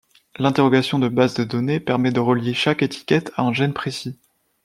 L'interrogation de base de données, permet de relier chaque étiquette à un gène précis.